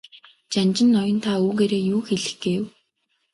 Жанжин ноён та үүгээрээ юу хэлэх гээв?